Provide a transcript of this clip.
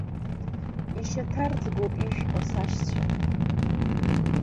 Ишьаҭарӡгоуп ишәҳәо, сашьцәа.